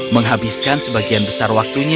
menghabiskan sebagian besar dari kemampuan mereka